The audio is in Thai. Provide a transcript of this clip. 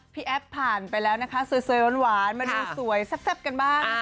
แอฟผ่านไปแล้วนะคะสวยหวานมาดูสวยแซ่บกันบ้าง